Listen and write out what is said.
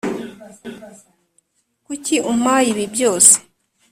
kuki umpaye ibi byose?